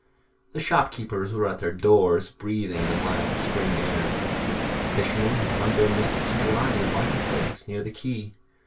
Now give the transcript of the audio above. The shop keepers were at their doors breathing the mild spring air. The fishermen had hung their nets to dry in the market place near the quay.